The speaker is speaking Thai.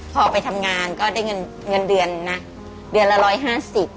พอไปทำงานก็ได้เงินเงินเดือนนะเดือนละ๑๕๐บาท